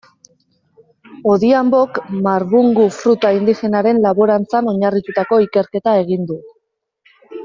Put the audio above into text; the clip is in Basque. Odhiambok marbungu fruta indigenaren laborantzan oinarritututako ikerketa egin du.